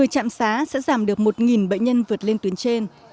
một mươi trạm xá sẽ giảm được một bệnh nhân vượt lên tuyến trên